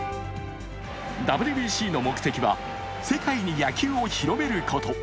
ＷＢＣの目的は、世界に野球を広めること。